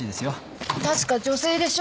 確か女性でしょ。